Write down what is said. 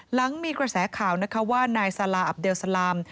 หลังมีกระแสข่าวนะคะว่านายซาลาอับเลสลาม